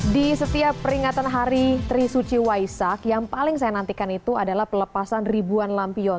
di setiap peringatan hari trisuci waisak yang paling saya nantikan itu adalah pelepasan ribuan lampion